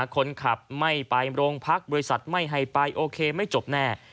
คนขับไม่ไปโรงพักบริษัทไม่ให้ไปโอเคไม่จบแน่